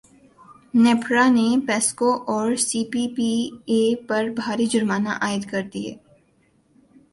نیپرا نے پیسکو اور سی پی پی اے پر بھاری جرمانے عائد کردیے